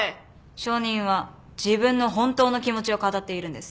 証人は自分の本当の気持ちを語っているんです。